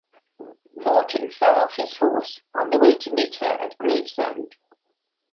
Morton fell off his horse on the way to meet her at Gravesend.